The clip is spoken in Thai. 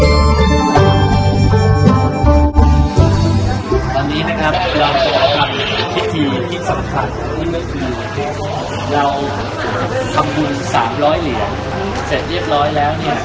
อันนี้สำคัญนี่ก็คือเราทำบุญ๓๐๐เหรียเสร็จเรียบร้อยแล้ว